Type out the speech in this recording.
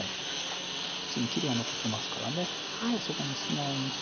次に切りが残ってますからそこに素直に。